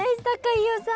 飯尾さん。